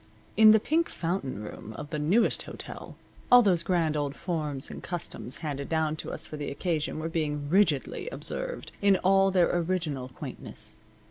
In the Pink Fountain room of the Newest Hotel all those grand old forms and customs handed down to us for the occasion were being rigidly observed in all their original quaintness.